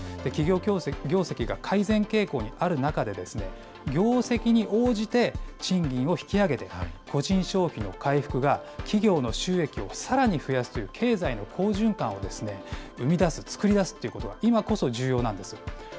企業業績が改善傾向にある中で、業績に応じて賃金を引き上げて、個人消費の回復が企業の収益をさらに増やすという、経済の好循環を生み出す、作り出すということが今こそ重要なんです。